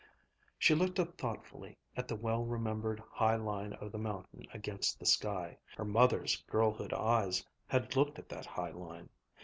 She looked up thoughtfully at the well remembered high line of the mountain against the sky. Her mother's girlhood eyes had looked at that high line.